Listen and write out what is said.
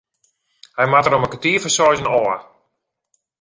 Hy moat der om kertier foar seizen ôf.